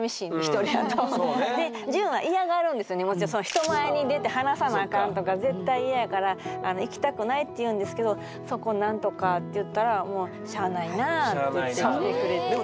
人前に出て話さなあかんとか絶対イヤやから行きたくないって言うんですけど「そこをなんとか」って言ったら「もうしゃあないなぁ」って言って来てくれる。